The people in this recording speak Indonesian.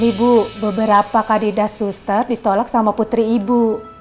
begini bu beberapa kadidas suster ditolak sama putri ibu